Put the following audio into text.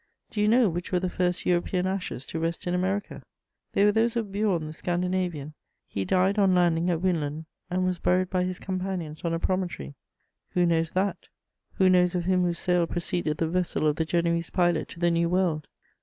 Do you know which were the first European ashes to rest in America? They were those of Bjorn the Scandinavian: he died on landing at Winland, and was buried by his companions on a promontory. Who knows that? Who knows of him whose sail preceded the vessel of the Genoese pilot to the New World?